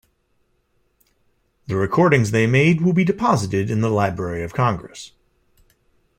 The recordings they made will be deposited in the Library of Congress.